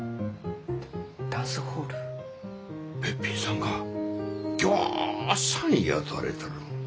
べっぴんさんがぎょうさん雇われとる。